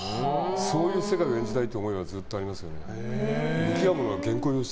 そういう世界を演じたいという思いはずっとありますよ。